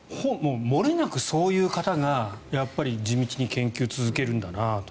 もれなくそういう方が地道に研究を続けるんだなと。